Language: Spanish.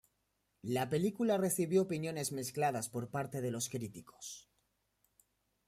La película recibió opiniones mezcladas por parte de los críticos.